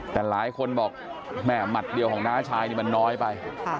แต่หลายคนบอกแม่หมัดเดียวของน้าชายนี่มันน้อยไป